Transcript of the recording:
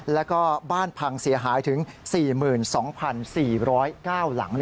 แล้วก็บ้านพังเสียหายถึง๔๒๔๐๙หลัง